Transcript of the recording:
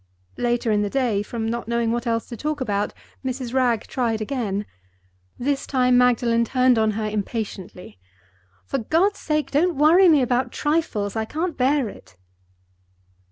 Later in the day, from not knowing what else to talk about, Mrs. Wragge tried again. This time Magdalen turned on her impatiently. "For God's sake, don't worry me about trifles! I can't bear it."